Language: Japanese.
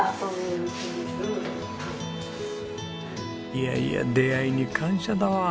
いやいや出会いに感謝だわ。